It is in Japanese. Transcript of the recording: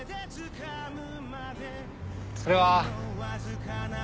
それは